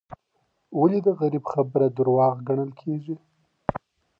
ولي د غریب خبره دروغ ګڼل کیږي؟